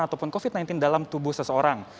ataupun covid sembilan belas dalam tubuh seseorang